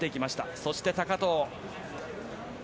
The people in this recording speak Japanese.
そして高藤。